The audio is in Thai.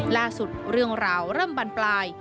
เรื่องราวเริ่มบรรปลาย